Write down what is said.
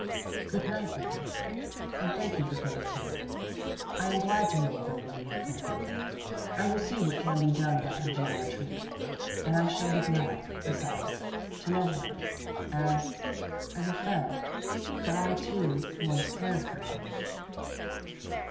"Good night, my dear, and thank you for coming to me. I am glad to know of Olivia Copeland. I will see what can be done about her geometry, and I shall be glad, besides, to know her as as a friend; for I, too, once cared for Italy."